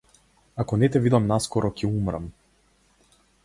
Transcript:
Ако не те видам наскоро ќе умрам.